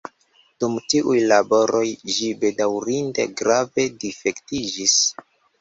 Dum tiuj laboroj ĝi bedaŭrinde grave difektiĝis.